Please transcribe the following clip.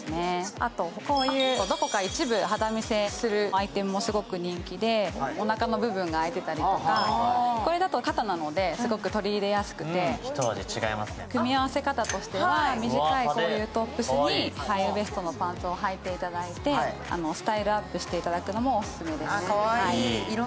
あと、こういう、どこか一部肌見せするものも人気で、おなかの部分があいてたりとかこれだと肩なので、すごく取り入れやすくて組み合わせ方としては短いトップスにハイウエストのパンツをはいていただいて、スタイルアップしていただくのもおすすめです。